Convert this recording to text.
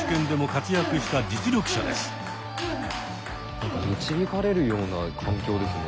何か導かれるような環境ですね。